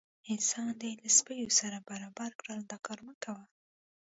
انسان دې له سپو سره برابر کړل دا کار مه کوه.